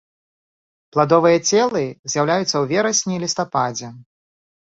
Пладовыя целы з'яўляюцца ў верасні-лістападзе.